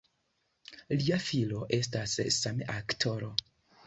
Lia filo estas same aktoro.